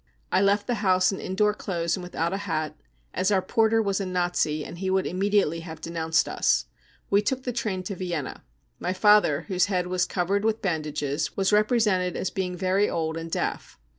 I left the house in indoor clothes and without a hat, as our porter was a Nazi, and he would immediately have denounced us. We took the train to Vienna. My father, whose head was covered with bandages, was represented as being very old and deaf.